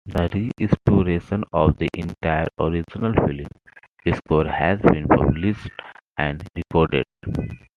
The restoration of the entire original film score has been published and recorded.